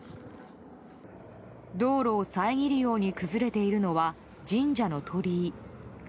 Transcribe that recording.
道路を遮るように崩れているのは神社の鳥居。